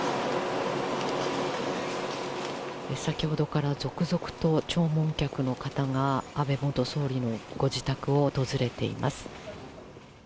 先ほどから続々と弔問客の方が安倍元総理のご自宅を訪れています。